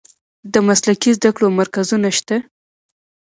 د مسلکي زده کړو مرکزونه شته؟